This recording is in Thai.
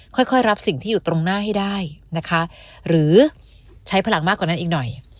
ค่อยค่อยรับสิ่งที่อยู่ตรงหน้าให้ได้นะคะหรือใช้พลังมากกว่านั้นอีกหน่อย